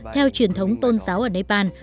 theo truyền thống tôn giáo ở nepal